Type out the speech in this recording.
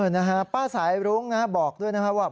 นะฮะป้าสายรุ้งนะบอกด้วยนะครับว่า